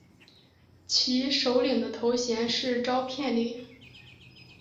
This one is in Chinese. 其首领的头衔是召片领。